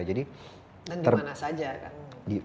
dan dimana saja kan